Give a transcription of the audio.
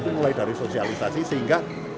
mulai dari sosialisasi sehingga